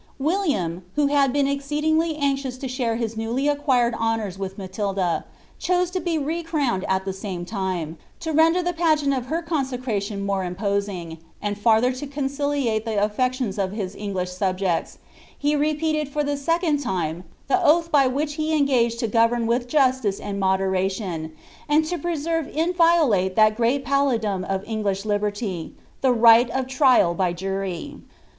William, who had been exceedingly anxious to share his newly acquired honours with Matilda, chose to be re crowned at the same tims, |fl render the pAgeant of her consecration more imposing; and farther to conciliate the atfections of his English subjects, he repeated for the secuod time the oath by which he engaged to govern with justice and modm lion, and to preserve inviolate that great piLlladiuni of English liberty, thi right of trial by jury.